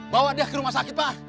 bawa dia ke rumah sakit pak